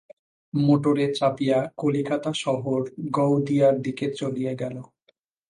মোটরে চাপিয়া কলিকাতা শহর গাওদিয়ার দিকে চলিয়া গেল।